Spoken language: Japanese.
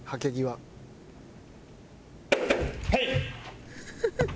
はい。